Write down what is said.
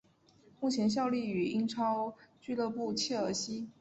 目前效力于英超俱乐部切尔西。